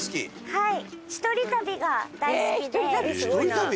はい。